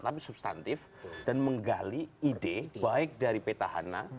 tapi substantif dan menggali ide baik dari peta hana